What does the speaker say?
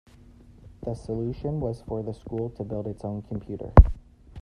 The solution was for the School to build its own computer.